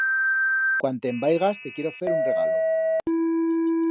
Cuan te'n vaigas, te quiero fer un regalo.